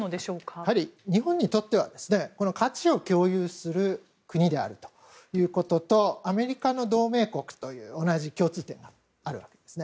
やはり、日本にとっては価値を共有する国であるということとアメリカの同盟国という同じ共通点がありますね。